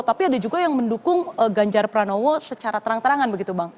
tapi ada juga yang mendukung ganjar pranowo secara terang terangan begitu bang